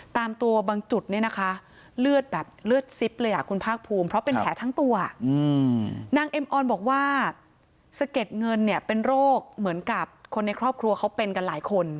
ตามตัวบางจุดเนี่ยนะคะเลือดแบบเลือดซิบเลยอ่ะคุณภาคภูมิเพราะเป็นแผลทั้งตัวนางเอ็มออนบอกว่าสะเก็ดเงินเนี่ยเป็นโรคเหมือนกับคนในครอบครัวเขาเป็นกันหลายคน